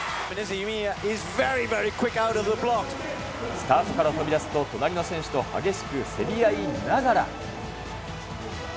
スタートから飛び出すと、隣の選手と激しく競り合いながら。